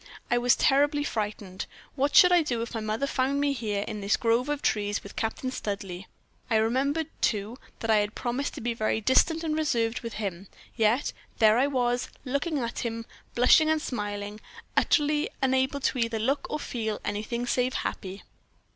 I was terribly frightened. What should I do if my mother found me here in this grove of trees with Captain Studleigh? I remembered, too, that I had promised to be very distant and reserved with him: yet there I was, looking at him, blushing and smiling, utterly unable either to look or feel anything save happy.